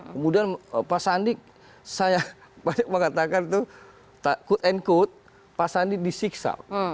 kemudian pak sandi saya banyak mengatakan itu quote and quote pak sandi disiksa